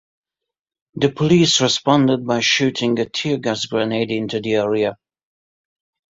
The police respond by shooting a tear gas grenade into the area.